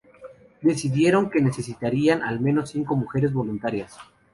Decidieron que se necesitarían al menos cinco mujeres voluntarias.